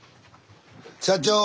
社長！